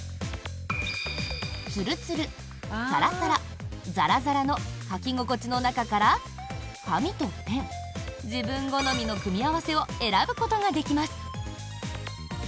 ツルツル、さらさら、ザラザラの書き心地の中から、紙とペン自分好みの組み合わせを選ぶことができます。